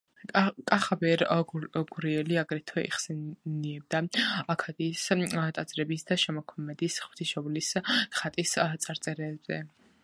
კახაბერ გურიელი აგრეთვე იხსენიება ექადიის ტაძრების და შემოქმედის ღვთისმშობლის ხატის წარწერებზე.